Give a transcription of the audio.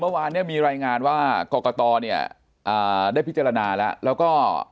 เมื่อวานเนี่ยมีรายงานว่ากรกตเนี่ยได้พิจารณาแล้วแล้วก็